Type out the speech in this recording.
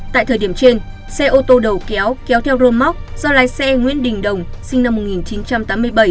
tại thời điểm trên xe ô tô đầu kéo kéo theo rơm móc do lái xe nguyễn đình đồng sinh năm một nghìn chín trăm tám mươi bảy